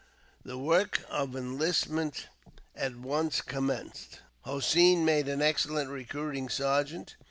The work of enlistment at once commenced. Hossein made an excellent recruiting sergeant.